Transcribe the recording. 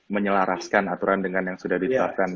menyelaraskan aturan dengan yang sudah ditetapkan